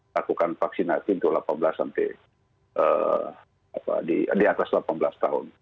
lakukan vaksinasi untuk delapan belas sampai di atas delapan belas tahun